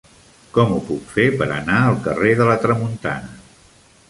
Com ho puc fer per anar al carrer de la Tramuntana?